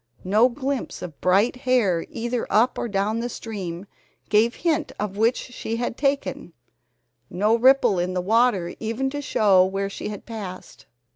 No glimpse of bright hair either up or down stream gave hint of which she had taken, no ripple in the water even to show where she had passed.